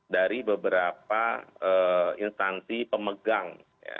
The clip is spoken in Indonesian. dari beberapa instansi pemegang